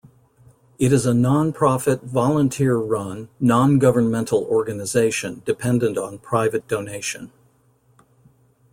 It is a non-profit volunteer-run, non-governmental organisation dependent on private donation.